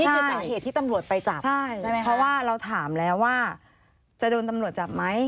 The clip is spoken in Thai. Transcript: ค่ะใช่ใช่เพราะว่าเราถามแล้วว่าจะโดนตำรวจจับไหม